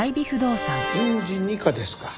人事二課ですか。